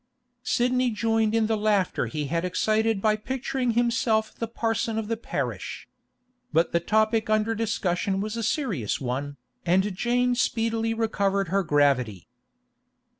Sidney joined in the laughter he had excited by picturing himself the parson of the parish. But the topic under discussion was a serious one, and Jane speedily recovered her gravity.